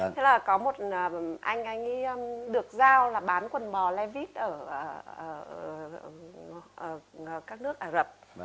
thế là có một anh anh ấy được giao là bán quần bò levit ở các nước ả rập